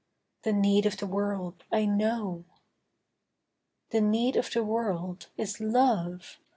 The need of the world I know. The need of the world is love.